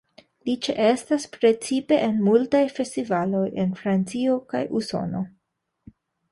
Li ĉeestas precipe en multaj festivaloj en Francio kaj Usono.